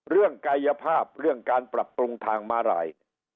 กายภาพเรื่องการปรับปรุงทางมาลาย